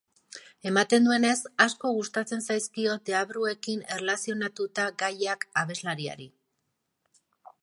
Ematen duenez, asko gustatzen zaizkio deabruekin erlazionatuta gaiak abeslariari.